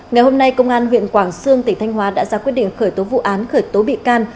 ngày hôm nay công an huyện quảng sương tỉnh thanh hóa đã ra quyết định khởi tố vụ án khởi tố bị can